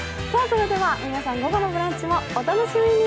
それでは午後の「ブランチ」もお楽しみに。